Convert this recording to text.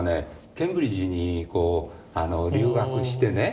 ケンブリッジに留学してね